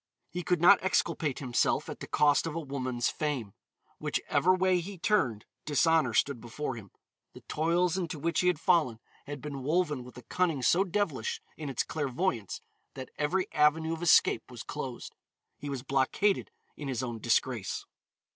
He could not exculpate himself at the cost of a woman's fame. Which ever way he turned, dishonor stood before him. The toils into which he had fallen had been woven with a cunning so devilish in its clairvoyance that every avenue of escape was closed. He was blockaded in his own disgrace.